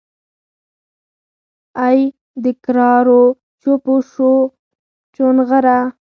ای دکرارو چوپو شپو چونغره!